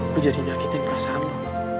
gue jadi nyakitin perasaan lo